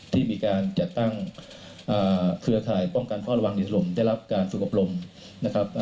ที่มีการจัดตั้งเครือข่ายป้องกันเฝ้าระวังดินลมได้รับการฝึกอบรมนะครับ